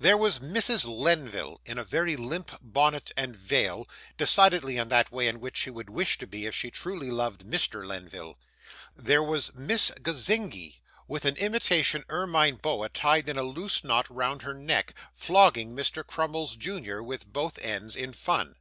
There was Mrs. Lenville, in a very limp bonnet and veil, decidedly in that way in which she would wish to be if she truly loved Mr. Lenville; there was Miss Gazingi, with an imitation ermine boa tied in a loose knot round her neck, flogging Mr. Crummles, junior, with both ends, in fun.